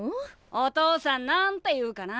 お父さん何て言うかな？